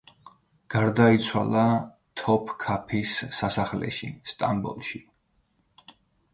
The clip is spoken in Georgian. გარდაიცვალა თოფქაფის სასახლეში, სტამბოლში.